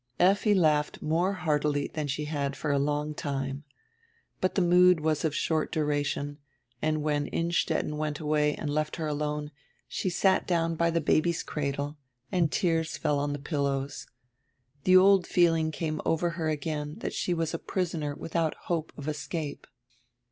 Efti laughed more heartily than she had for a long time. But the mood was of short duration and when Innstetten went away and left her alone she sat down by tire baby's cradle, and tears fell on the pillows. The old feeling came over her again that she was a prisoner without hope of escape.